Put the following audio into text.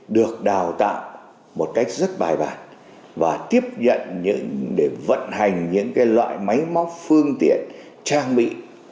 được đào tạo một cách rất bài bản và tiếp nhận để vận hành những loại máy móc phương tiện trang bị